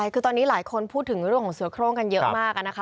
คือตอนนี้หลายคนพูดถึงเรื่องของเสือโครงกันเยอะมากนะคะ